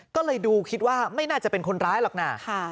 ก็เลยดูคิดว่าไม่น่าจะเป็นคนร้ายหรอกนะ